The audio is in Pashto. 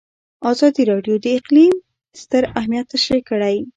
ازادي راډیو د اقلیم ستر اهميت تشریح کړی.